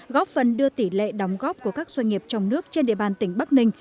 góp phần đưa tỷ lệ đóng góp của các doanh nghiệp trong nước trên địa bàn tỉnh bắc ninh